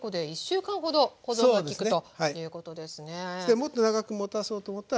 もっと長くもたそうと思ったら冷凍して頂く。